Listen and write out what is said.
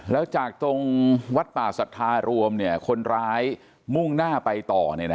แล้วจากตรงวัดป่าศรัทธารวมคนร้ายมุ่งหน้าไปต่อ